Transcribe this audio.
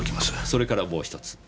それからもう１つ。